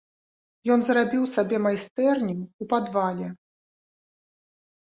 Ён зрабіў сабе майстэрню ў падвале.